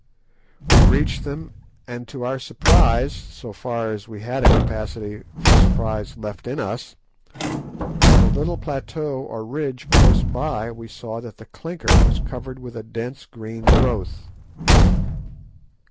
We reached them, and to our surprise, so far as we had a capacity for surprise left in us, on a little plateau or ridge close by we saw that the clinker was covered with a dense green growth.